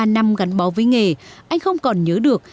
hai mươi ba năm gắn bó với nghề anh không còn nhớ được